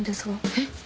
えっ？